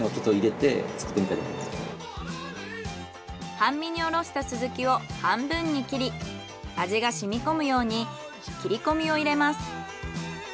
半身におろしたスズキを半分に切り味がしみこむように切り込みを入れます。